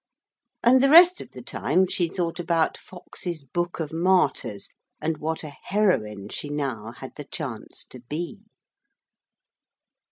And the rest of the time she thought about Foxe's Book of Martyrs and what a heroine she now had the chance to be.